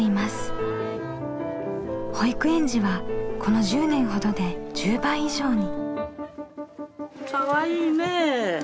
保育園児はこの１０年ほどで１０倍以上に。